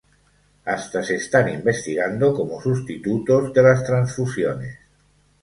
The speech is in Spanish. Hasta se están investigando como sustitutos de las transfusiones.